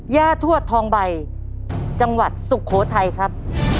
ทวดทองใบจังหวัดสุโขทัยครับ